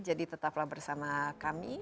jadi tetaplah bersama kami